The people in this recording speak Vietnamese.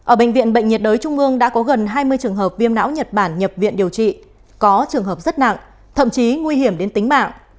ở bệnh viện bệnh nhiệt đới trung ương đã có gần hai mươi trường hợp viêm não nhật bản nhập viện điều trị có trường hợp rất nặng thậm chí nguy hiểm đến tính mạng